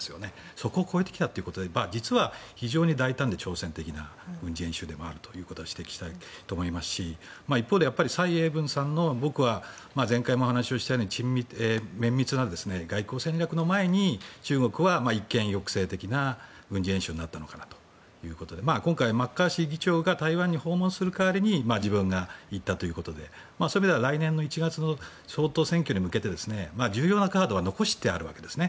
そこを越えてきたということで実は非常に大胆で挑戦的な軍事演習でもあるということを指摘したいと思いますし一方で、蔡英文さんの僕は前回もお話をしたように綿密な外交戦略の前に中国は一見、抑制的な軍事演習になったのかなということで今回、マッカーシー議長が台湾に訪問する代わりに自分が行ったということでそういう意味では来年１月の総統選挙に向けて重要なカードは残しているわけです。